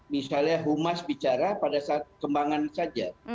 misalnya humas bicara pada saat kembangan saja